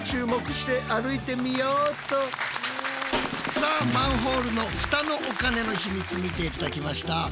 さあマンホールのフタのお金のヒミツ見て頂きました。